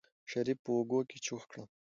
شريف په اوږه کې چوخ کړ.